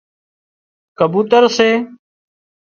ڪبوتر سي